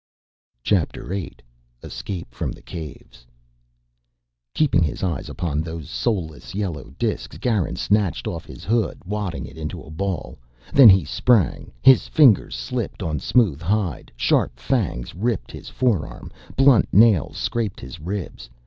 CHAPTER EIGHT Escape from the Caves Keeping his eyes upon those soulless yellow disks, Garin snatched off his hood, wadding it into a ball. Then he sprang. His fingers slipped on smooth hide, sharp fangs ripped his forearm, blunt nails scraped his ribs.